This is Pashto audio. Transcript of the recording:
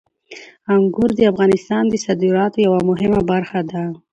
انګور د افغانستان د صادراتو یوه مهمه برخه ده.